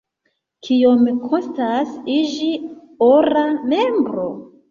Kiom kostas iĝi ora membro?